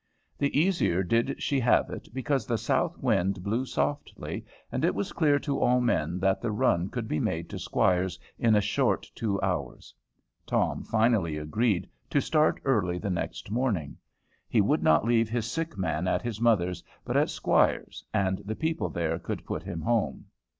The easier did she have it, because the south wind blew softly, and it was clear to all men that the run could be made to Squire's in a short two hours. Tom finally agreed to start early the next morning. He would not leave his sick man at his mother's, but at Squire's, and the people there could put him home.